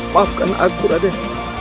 maafkan aku raden